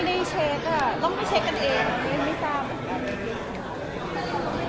แต่เหลือไม่ได้ยืนด้วยหรือ